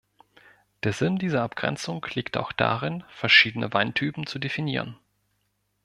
Der Sinn dieser Abgrenzung liegt auch darin, verschiedene Weintypen zu definieren.